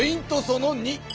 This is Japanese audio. その２。